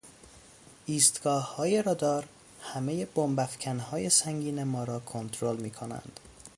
ایستگاههای رادار همهی بمب افکنهای سنگین ما را کنترل میکنند.